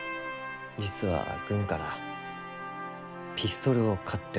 実は軍からピストルを買ってこいと。